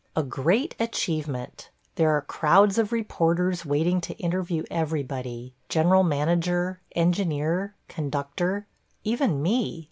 A great achievement! There are crowds of reporters waiting to interview everybody; General Manager, engineer, conductor – even me.